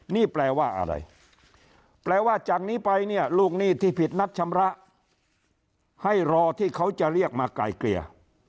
นี่แปลว่าอะไรแปลว่าจากนี้ไปเนี่ยลูกหนี้ที่ผิดนัดชำระให้รอที่เขาจะเรียกมาไกลเกลี่ย